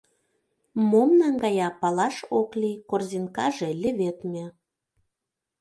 Мом наҥгая — палаш ок лий: корзинкаже леведме.